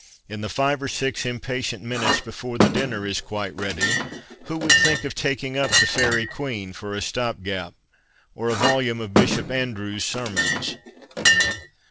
In the five or six impatient minutes before the dinner is quite ready, who would think of taking up the Faerie Queene for a stop gap, or a volume of Bishop Andrewes' sermons